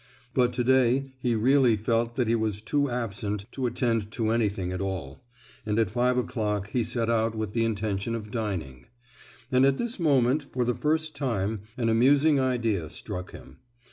But to day he really felt that he was too absent to attend to anything at all; and at five o'clock he set out with the intention of dining. And at this moment, for the first time, an amusing idea struck him.